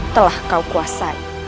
telah kau kuasai